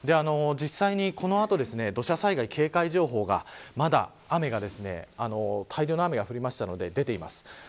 実際に、この後土砂災害警戒情報が大量の雨が降りましたので出ています。